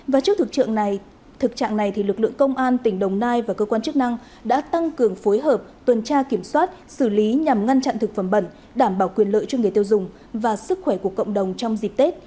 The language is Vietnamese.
và trước thực trạng này thực trạng này thì lực lượng công an tỉnh đồng nai và cơ quan chức năng đã tăng cường phối hợp tuần tra kiểm soát xử lý nhằm ngăn chặn thực phẩm bẩn đảm bảo quyền lợi cho người tiêu dùng và sức khỏe của cộng đồng trong dịp tết